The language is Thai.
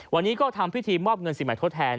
วันนี้ก็ทำพิธีมอบเงินสิ่งใหม่ทดแทน